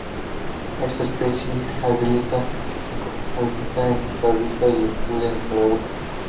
Esta especie habita en Costa Rica y el sur de Nicaragua.